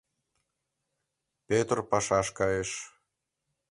Пӧтыр пашаш кайыш.